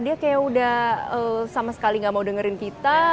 dia kayak udah sama sekali gak mau dengerin kita